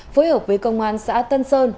phối hợp với công an xã tân sơn